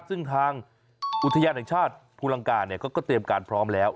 ซึ่งทางอุทยาลัยธักษ์ภูรังกาก็เตรียมการพร้อมแล้ว